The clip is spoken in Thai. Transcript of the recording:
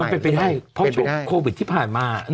มันเป็นไปได้เพราะโควิดที่ผ่านมา